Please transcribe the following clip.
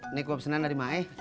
ini kuopsena dari mae